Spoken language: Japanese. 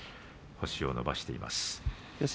星を伸ばしています。